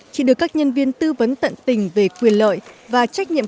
chỉ được các nhân viên tư vấn tận tình về quyền lợi và trách nhiệm